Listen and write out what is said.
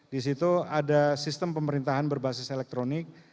disitu ada sistem pemerintahan berbasis elektronik